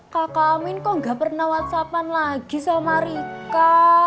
kak amin kok gak pernah whatsappan lagi sama rika